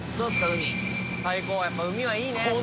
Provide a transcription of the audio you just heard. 海最高やっぱ海はいいね